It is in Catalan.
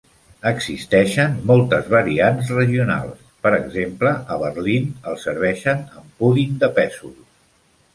Existeixen moltes variants regionals; per exemple, a Berlín el serveixen amb pudin de pèsols.